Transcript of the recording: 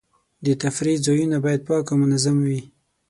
د تفریح ځایونه باید پاک او منظم وي.